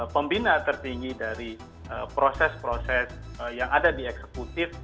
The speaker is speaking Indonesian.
pembina tertinggi dari proses proses yang ada di eksekutif